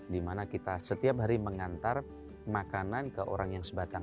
dimana kita setiap hari mengantar makanan ke orang yang sebatang